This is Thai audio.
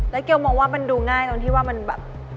แล้วเกลมองว่ามันดูง่ายตรงที่ว่ามันแบบ